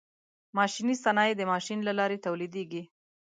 ماشیني صنایع د ماشین له لارې تولیدیږي.